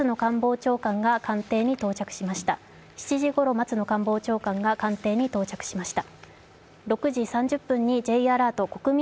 ７時ごろ、松野官房長官が官邸に到着しました。